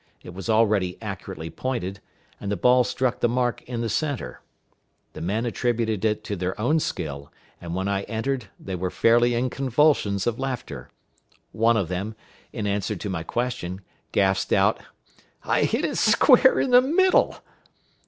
It was already accurately pointed, and the ball struck the mark in the centre. The men attributed it to their own skill, and when I entered they were fairly in convulsions of laughter. One of them, in answer to my question, gasped out, "I hit it square in the middle."